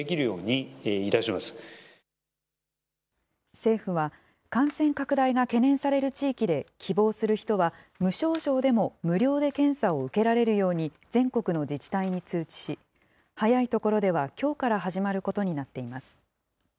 政府は、感染拡大が懸念される地域で希望する人は、無症状でも無料で検査を受けられるように、全国の自治体に通知し、早い所ではきょうから始まることになっています。